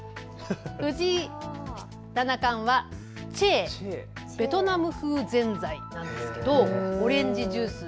藤井七冠はチェー、ベトナム風ぜんざいなんですけどオレンジジュース。